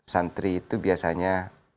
santri itu biasanya